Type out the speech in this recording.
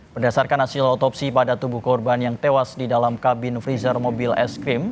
berdasarkan hasil otopsi pada tubuh korban yang tewas di dalam kabin freezer mobil es krim